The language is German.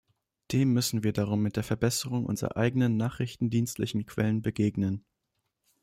Dem müssen wir darum mit der Verbesserung unserer eigenen nachrichtendienstlichen Quellen begegnen.